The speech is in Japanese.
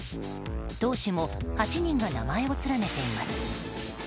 投手も８人が名前を連ねています。